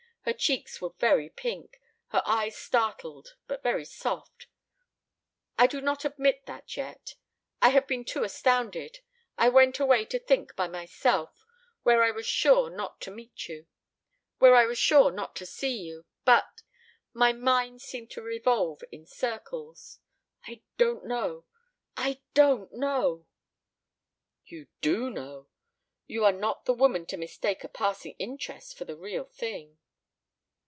Her cheeks were very pink, her eyes startled, but very soft. "I do not admit that yet I have been too astounded I went away to think by myself where I was sure not to see you but my mind seemed to revolve in circles. I don't know! I don't know!" "You do know! You are not the woman to mistake a passing interest for the real thing."